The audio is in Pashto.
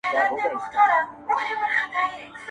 زاړه کيسې بيا راژوندي کيږي تل,